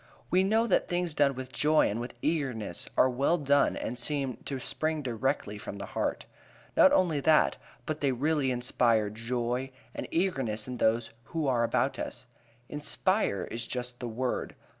We know that things done with joy and with eagerness are well done and seem to spring directly from the heart. Not only that, but they really inspire joy and eagerness in those who are about us. Inspire is just the word.